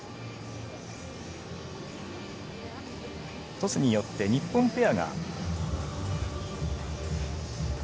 トスによって日本ペアが。